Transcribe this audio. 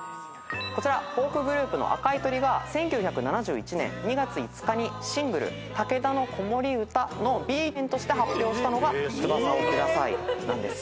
こちらフォークグループの赤い鳥が１９７１年２月５日にシングル『竹田の子守唄』のＢ面として発表したのが『翼をください』なんです。